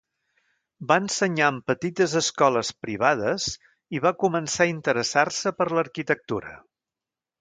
Va ensenyar en petites escoles privades i va començar a interessar-se per l'arquitectura.